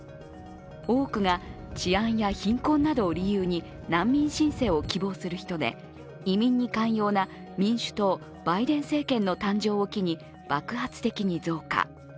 多くが治安や貧困などを理由に難民申請を希望する人で移民に寛容な民主党・バイデン政権の誕生を機に爆発的に増加。